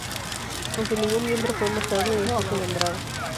Aunque ningún miembro fue mostrado o incluso nombrado.